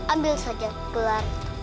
ambil saja pelarut